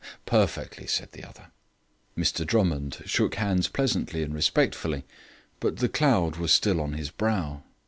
"Perfectly," said the other. Mr Drummond shook hands pleasantly and respectfully, but the cloud was still on his brow.